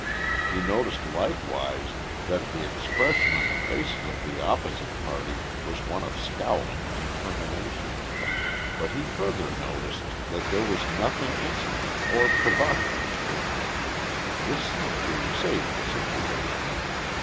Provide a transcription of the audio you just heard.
He noticed likewise that the expression on the faces of the opposite party was one of scowling determination, but he further noticed that there was nothing insolent or provocative in it. This seemed to save the situation.